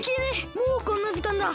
もうこんなじかんだ。